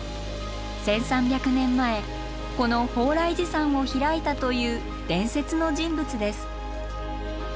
１，３００年前この鳳来寺山を開いたという伝説の人物です。